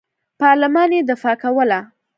پارلمان یې دفاع کوله.